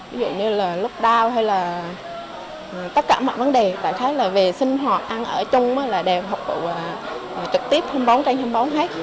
ví dụ như là lúc đau hay là tất cả mọi vấn đề tại sao là về sinh hoạt ăn ở chung là đều phục vụ trực tiếp hôm bóng trang hôm bóng hết